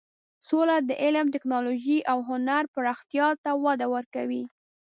سوله د علم، ټکنالوژۍ او هنر پراختیا ته وده ورکوي.